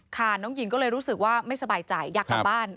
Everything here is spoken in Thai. น้องหญิงก็เลยรู้สึกว่าไม่สบายใจอยากกลับบ้าน